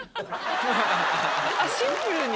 あっシンプルに？